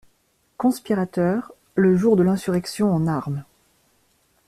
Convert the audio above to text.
Conspirateurs, le jour de l'insurrection en armes.